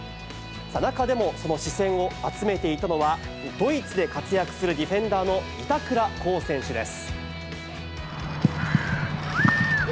中でもその視線を集めていたのは、ドイツで活躍するディフェンダーの板倉滉選手です。